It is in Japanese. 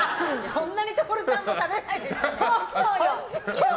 そんなに徹さんも食べないですよね。